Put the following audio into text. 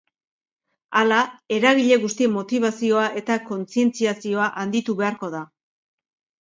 Hala, eragile guztien motibazioa eta kontzientziazioa handitu beharko da.